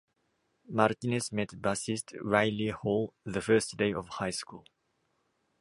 Martinez met bassist Riley Hall the first day of high school.